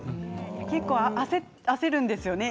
結構焦るんですよね